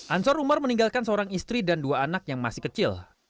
ansar umar meninggalkan seorang istri dan dua anak yang masih kecil